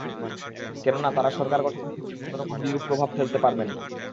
কেননা, তাঁরা সরকার গঠনের ক্ষেত্রে কোনো রকম বিরূপ প্রভাব ফেলতে পারবেন না।